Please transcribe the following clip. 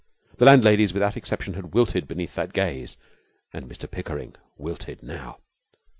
The landladies, without exception, had wilted beneath that gaze, and Mr Pickering wilted now.